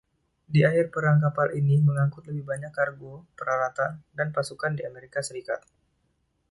Di akhir perang kapal ini mengangkut lebih banyak kargo, peralatan, dan pasukan di Amerika Serikat.